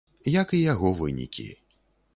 Як і яго вынікі.